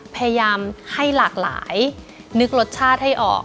พยายามให้หลากหลายนึกรสชาติให้ออก